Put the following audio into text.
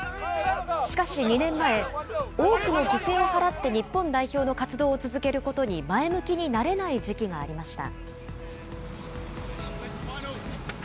しかし、２年前、多くの犠牲を払って日本代表の活動を続けることに前向きになれない時期がありました。